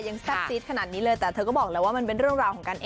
แซ่บซีดขนาดนี้เลยแต่เธอก็บอกแล้วว่ามันเป็นเรื่องราวของการ